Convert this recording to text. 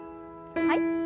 はい。